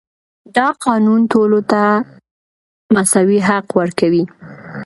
دا قانون ټولو ته مساوي حق ورکوي.